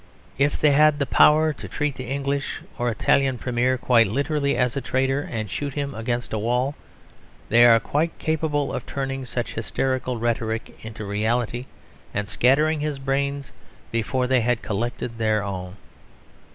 If they had the power to treat the English or Italian Premier quite literally as a traitor, and shoot him against a wall, they are quite capable of turning such hysterical rhetoric into reality: and scattering his brains before they had collected their own.